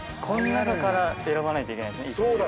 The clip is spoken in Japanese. こん中から選ばないといけないんですね